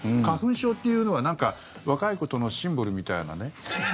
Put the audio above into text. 花粉症っていうのは若いことのシンボルみたいなね。